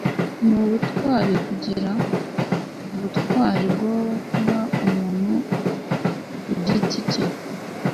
ni ubutwari kugira ubutwari bwo kuba umuntu ku giti cye